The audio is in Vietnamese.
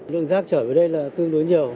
lượng rác trở về đây là tương đối nhiều